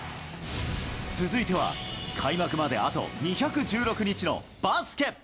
続いては開幕まであと２１６日のバスケ。